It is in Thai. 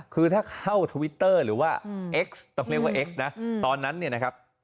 คือถ้าเข้าทวิตเตอร์หรือว่าเอ็กซ์ต้องเรียกว่าเอ็กซ์นะตอนนั้นเนี่ยนะครับ